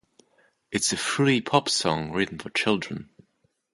It's a fruity pop song written for children.